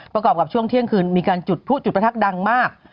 ประกอบกับช่วงเที่ยงคืนมีการจุดผู้จุดประทักดังมาก